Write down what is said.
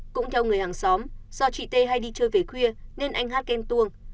cũng theo người hàng xóm do chị tê hay đi chơi về khuya nên anh hát khen tuông